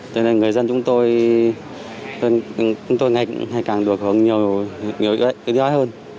cho nên người dân chúng tôi ngày càng được nhiều giao dịch hơn